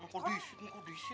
ngak diisi ngak diisi